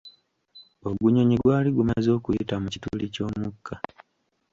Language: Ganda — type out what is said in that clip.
Ogunyonyi gwali gumaze okuyita mu kituli ky'omukka.